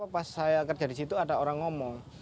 pas saya kerja di situ ada orang ngomong